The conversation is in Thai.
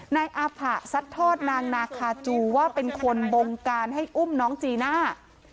นายอาผะซัดทอดนางนาคาจูว่าเป็นคนบงการให้อุ้มน้องจีน่า